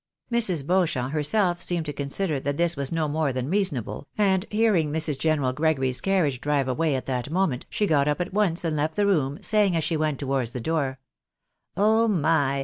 Mrs. Beauchamp herself seemed to consider that this was no more than reasonable, and hearing Mrs. General Gregory's carriage drive away at that moment, she got up at once and left the room, saying as she went towards the door, " Oh my